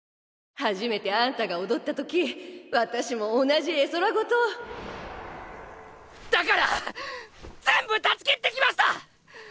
初めてあんたが踊ったとき私も同じだから全部断ち切ってきました！